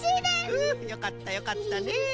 うんよかったよかったね。